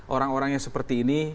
orang orang yang seperti ini